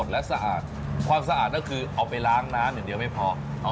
เหายะ